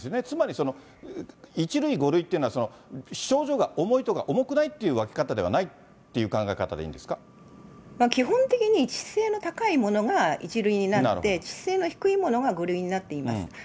つまり、１類、５類っていうのは、症状が重いとか重くないっていう分け方ではないっていう考え方で基本的に致死性の高いものが１類になって、致死性の低いものが５類になっています。